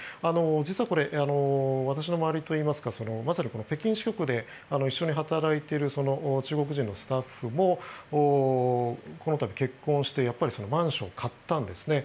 実はこれ、私の周りというかまさに北京支局で一緒に働いている中国人のスタッフもこの度、結婚してやっぱりマンションを買ったんですね。